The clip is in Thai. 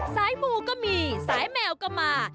สายมูก็มีสายแมวก็มา